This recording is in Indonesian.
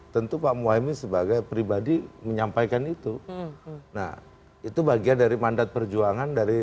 tentu pak muhaymin sebagai pribadi menyampaikan itu nah itu bagian dari mandat perjuangan dari